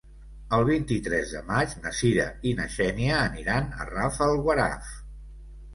El vint-i-tres de maig na Cira i na Xènia aniran a Rafelguaraf.